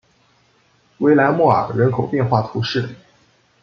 维莱莫尔人口变化图示